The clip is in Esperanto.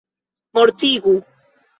mortigu